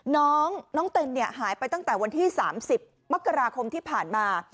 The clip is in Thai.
น้องเต็นเนี่ยหายไปตั้งแต่วันที่๓๐มกราคมที่ผ่านมา